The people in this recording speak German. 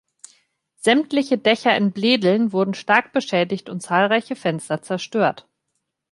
Sämtliche Dächer in Bledeln wurden stark beschädigt und zahlreiche Fenster zerstört.